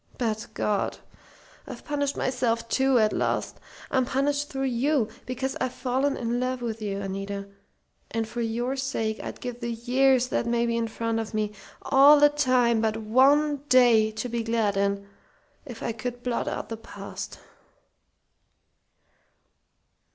But God! I've punished myself, too, at last. I'm punished through you, because I've fallen in love with you, Anita, and for your sake I'd give the years that may be in front of me all time but one day to be glad in, if I could blot out the past!"